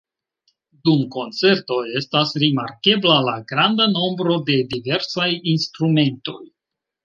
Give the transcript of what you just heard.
Dum koncertoj estas rimarkebla la granda nombro de diversaj instrumentoj.